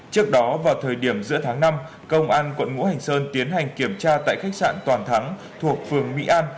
trước đó vào thời điểm giữa tháng năm công an quận ngũ hành sơn tiến hành kiểm tra tại khách sạn toàn thắng thuộc phường mỹ an